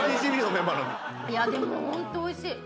いやでもホントおいしい。